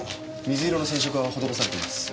水色の染色が施されています。